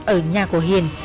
ở nhà của hiền